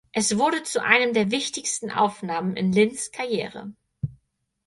Es wurde zu einer der wichtigsten Aufnahmen in Lynns Karriere.